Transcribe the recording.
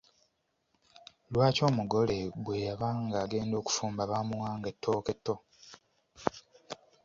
Lwaki omugole bwe yabanga agenda okufumba baamuwanga ettooke tto?